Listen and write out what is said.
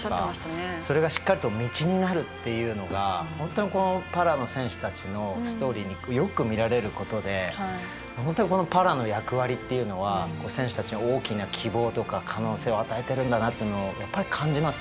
それがしっかりと道になるっていうのが本当にこのパラの選手たちのストーリーによく見られることで本当にこのパラの役割っていうのは選手たちの大きな希望とか可能性を与えてるんだなっていうのをやっぱり感じますよね。